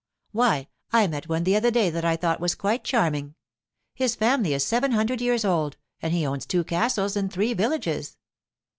Why, I met one the other day that I thought quite charming. His family is seven hundred years old, and he owns two castles and three villages.